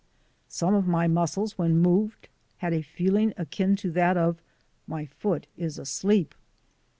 Some of my muscles when moved had a feeling akin to that of "my foot is asleep."